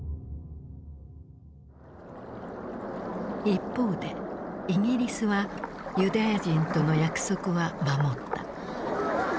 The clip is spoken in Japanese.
一方でイギリスはユダヤ人との約束は守った。